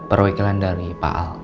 saya perwikilan dari pak al